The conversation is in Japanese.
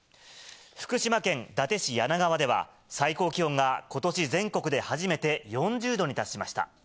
福島県伊達市梁川では、最高気温がことし全国で初めて４０度に達しました。